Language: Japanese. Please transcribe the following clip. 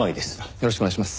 よろしくお願いします。